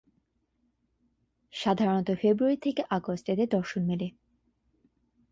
সাধারনত ফেব্রুয়ারি থেকে আগস্ট এদের দর্শন মেলে।